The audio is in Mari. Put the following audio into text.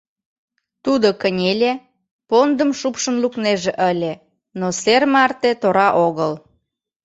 Тудо кынеле, пондым шупшын лукнеже ыле, но сер марте тора огыл.